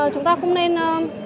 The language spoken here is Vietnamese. chúng ta không nên